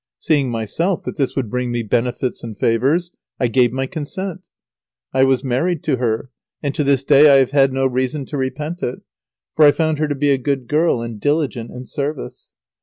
Seeing myself that this would bring me benefits and favours, I gave my consent. I was married to her, and to this day I have had no reason to repent it, for I found her to be a good girl and diligent in service.